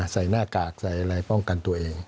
หน้ากากใส่อะไรป้องกันตัวเอง